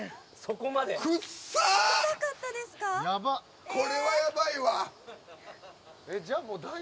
これはやばいわ。